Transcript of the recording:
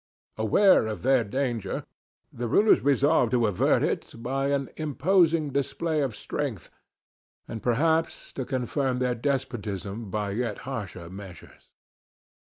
Aware of their danger, the rulers resolved to avert it by an imposing display of strength, and perhaps to confirm their despotism by yet harsher measures.